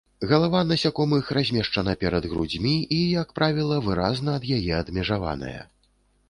Галава насякомых размешчана перад грудзьмі і, як правіла, выразна ад яе адмежаваная.